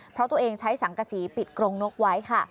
เพราะตัวเองใช้สังกษีปิดกรงนกไว้ค่ะ